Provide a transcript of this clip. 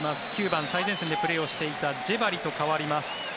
９番、最前線でプレーしていたジェバリと代わります。